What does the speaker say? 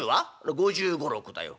「５５５６だよ」。